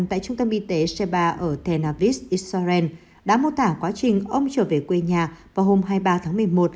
tại trung tâm y tế schreiber ở tenerife israel đã mô tả quá trình ông trở về quê nhà vào hôm hai mươi ba một mươi một